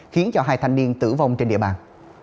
khiến hai thanh niên tử vong trên địa bàn